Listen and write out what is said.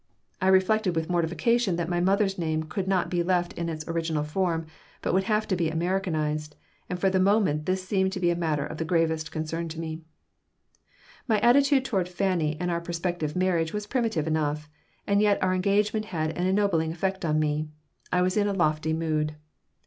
I reflected with mortification that my mother's name could not be left in its original form, but would have to be Americanized, and for the moment this seemed to be a matter of the gravest concern to me My attitude toward Fanny and our prospective marriage was primitive enough, and yet our engagement had an ennobling effect on me. I was in a lofty mood.